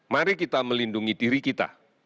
mari kita melindungi diri kita